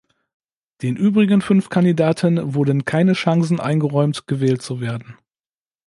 Den übrigen fünf Kandidaten wurden keine Chancen eingeräumt, gewählt zu werden.